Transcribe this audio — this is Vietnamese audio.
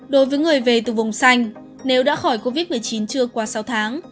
đối với người về từ vùng xanh nếu đã khỏi covid một mươi chín chưa qua sáu tháng